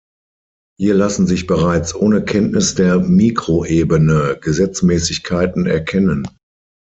Hier lassen sich bereits ohne Kenntnis der Mikroebene Gesetzmäßigkeiten erkennen.